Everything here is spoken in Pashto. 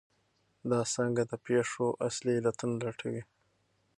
دا څانګه د پېښو اصلي علتونه لټوي.